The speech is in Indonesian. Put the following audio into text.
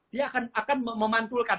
dia akan memantulkan